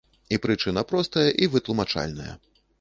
І прычына простая і вытлумачальная.